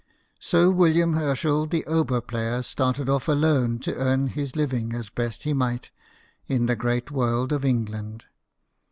So William Herschel the oboe player started off alone to earn his living as best he might in the great world of England.